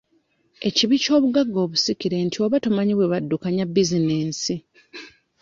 Ekibi ky'obugagga obusikire nti oba tomanyi bwe baddukanya bizinesi.